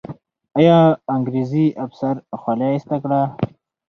آیا انګریزي افسر خولۍ ایسته کړه؟